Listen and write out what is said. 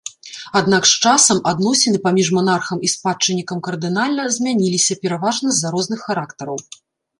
Аднак з часам адносіны паміж манархам і спадчыннікам кардынальна змяніліся пераважна з-за розных характараў.